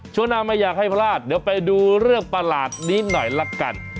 ช่วงหน้าไม่อยากให้พลาดเดี๋ยวไปดูเรื่องประหลาดนี้หน่อยละกัน